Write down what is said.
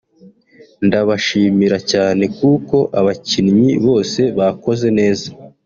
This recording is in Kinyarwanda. ndabashimira cyane kuko abakinnyi bose bakoze neza”